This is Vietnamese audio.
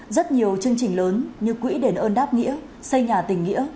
rất nhiều chương trình lớn như quỹ đền ơn đáp nghĩa xây nhà tình nghĩa